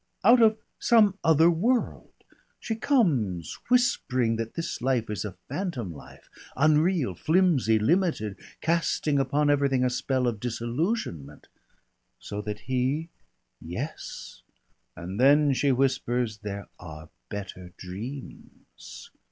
"Out of some other world. She comes, whispering that this life is a phantom life, unreal, flimsy, limited, casting upon everything a spell of disillusionment " "So that he " "Yes, and then she whispers, 'There are better dreams!'"